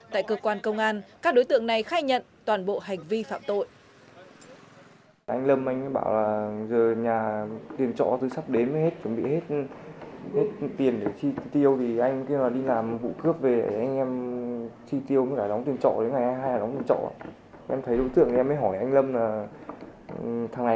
tại cơ quan công an các đối tượng này khai nhận toàn bộ hành vi phạm tội